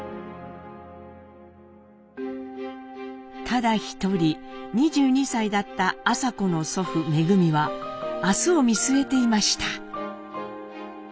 ただ一人２２歳だった麻子の祖父恩は明日を見据えていました。